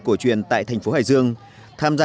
cổ truyền tại thành phố hải dương tham gia